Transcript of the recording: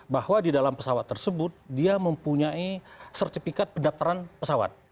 bahwa di dalam pesawat tersebut dia mempunyai sertifikat pendaftaran pesawat